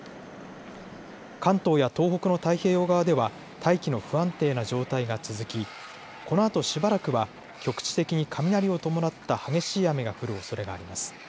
関東や東北の太平洋側では大気の不安定な状態が続きこのあとしばらくは局地的に雷を伴った激しい雨が降るおそれがあります。